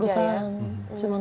iya hanya ke perusahaan